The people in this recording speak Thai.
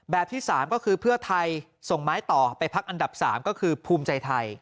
ที่๓ก็คือเพื่อไทยส่งไม้ต่อไปพักอันดับ๓ก็คือภูมิใจไทย